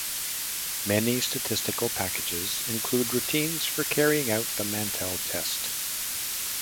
Many statistical packages include routines for carrying out the Mantel test.